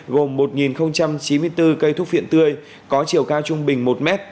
gồm một chín mươi bốn cây thuốc viện tươi có chiều cao trung bình một m